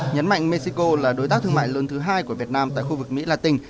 nhấn mạnh mexico là đối tác thương mại lớn thứ hai của việt nam tại khu vực mỹ la tình